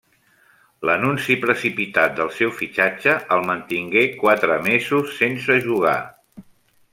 L'anunci precipitat del seu fitxatge el mantingué quatre mesos sense jugar.